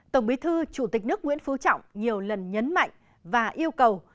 tổng bí thư chủ tịch nước nguyễn phú trọng nhiều lần nhấn mạnh và yêu cầu